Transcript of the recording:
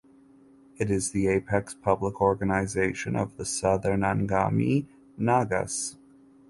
It is the apex public organization of the Southern Angami Nagas.